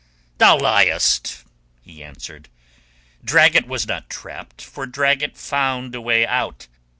"Thou liest," he answered. "Dragut was not trapped, for Dragut found a way out.